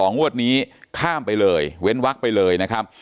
งวดนี้ข้ามไปเลยเว้นวักไปเลยนะครับ